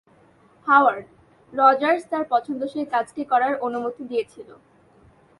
Howard: 'Rogers তার পছন্দসই কাজটি করার অনুমতি দিয়েছিল।